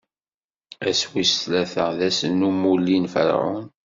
Ass wis tlata, d ass n umulli n Ferɛun.